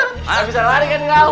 tuh mana bisa lari kan engkau